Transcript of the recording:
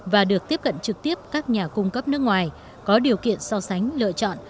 và được tiếp cận trực tiếp các nhà cung cấp nước ngoài có điều kiện so sánh lựa chọn